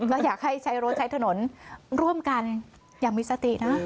ก็อยากให้ใช้รถใช้ถนนร่วมกันอย่างมีสตินะ